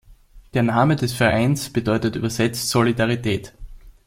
Der Name des Vereins bedeutet übersetzt „Solidarität“.